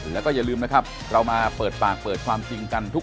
แล้วถ้ามันเอาเงินไปใส่ท